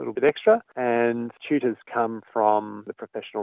dan tutor datang dari rang profesional